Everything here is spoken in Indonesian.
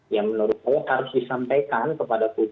yang menurut saya harus disampaikan kepada publik